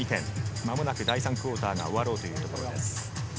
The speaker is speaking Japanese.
まもなく第３クオーターが終わろうというところ。